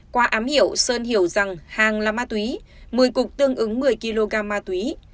qua ám hiểu sơn hiểu rằng hàng là ma túy một mươi cục tương ứng một mươi kg ma túy